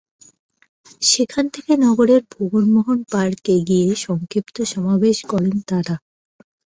সেখান থেকে নগরের ভুবন মোহন পার্কে গিয়ে সংক্ষিপ্ত সমাবেশ করেন তাঁরা।